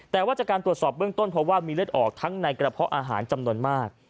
แต่ว่าจากการตรวจสอบเบื้องต้นเพราะว่ามีเลือดออกทั้งในกระเพาะอาหารจำนวนมาก